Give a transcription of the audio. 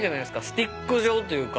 スティック状というか。